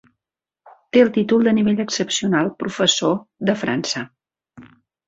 Té el títol de nivell excepcional "Professor" de França.